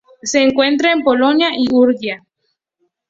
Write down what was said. Se encuentra en Polonia y Hungría.